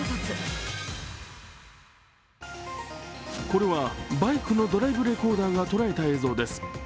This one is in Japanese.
これはバイクのドライブレコーダーがとらえた映像です。